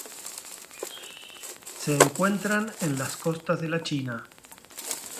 Se encuentran en las costas de la China.